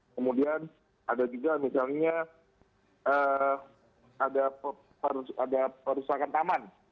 kemudian ada juga misalnya ada perusahaan taman